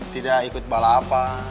tidak ikut balap apa